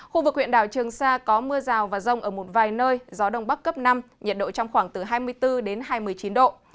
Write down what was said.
khu vực huyện đảo trường sa có mưa rào và rông ở một vài nơi gió đông bắc cấp năm nhiệt độ trong khoảng từ hai mươi bốn đến hai mươi chín độ